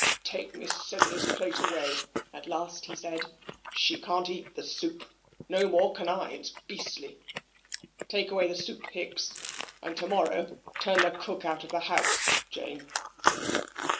"Take Miss Sedley's plate away," at last he said. "She can't eat the soup no more can I. It's beastly. Take away the soup, Hicks, and to morrow turn the cook out of the house, Jane."